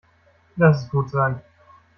Lass es gut sein.